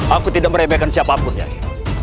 aku tidak meremehkan siapapun ya